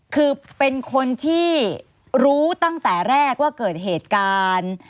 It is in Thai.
คือเป็นคนที่รู้ตั้งแต่แรกว่าเกิดเหตุการณ์